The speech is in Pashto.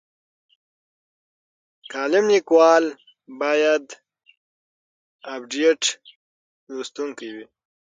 کالم لیکوال باید ابډیټ لوستونکی وي.